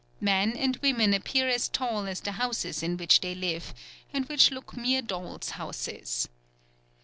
Men and women appear as tall as the houses in which they live, and which look mere dolls' houses.